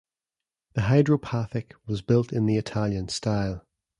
The Hydropathic was built in the Italian style.